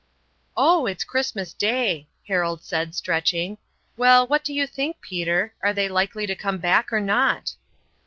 "Oh, it's Christmas Day," Harold said, stretching. "Well, what do you think, Peter are they likely to come back or not?"